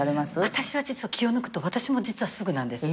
私は気を抜くと私も実はすぐなんです。